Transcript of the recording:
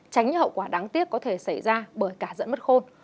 tránh những hậu quả đáng tiếc có thể xảy ra bởi cả dẫn mất khôn